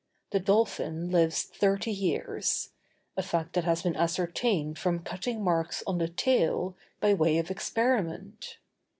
The dolphin lives thirty years; a fact that has been ascertained from cutting marks on the tail, by way of experiment.